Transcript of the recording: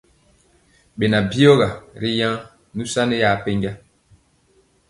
Beŋan byigɔ ri yaŋ nusani ya pɛnja.